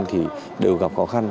thì đều gặp khó khăn